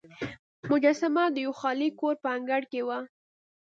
مجسمه د یوه خالي کور په انګړ کې وه.